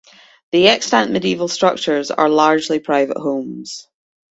The extant medieval structures are largely private homes.